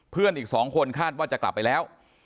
เพื่อนอีกสองคนคาดว่าจะกลับไปแล้ว